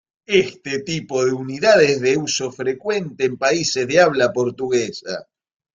Este tipo de unidad es de uso frecuente en países de habla portuguesa.